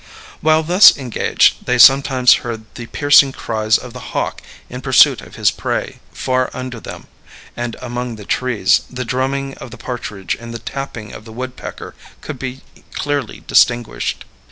While thus engaged, they sometimes heard the piercing cries of the hawk in pursuit of his prey; far under them, and among the trees, the drumming of the partridge and the tapping of the woodpecker could be clearly distinguished.